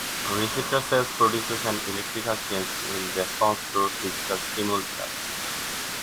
Receptor cells produce an electrical change in response to a physical stimulus.